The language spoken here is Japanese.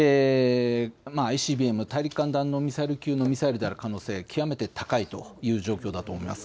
ＩＣＢＭ・大陸間弾道ミサイル級のミサイルである可能性、極めて高いという状況だと思います。